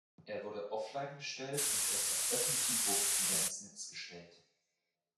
Er wurde offline gestellt und erst auf öffentlichen Druck wieder ins Netz gestellt.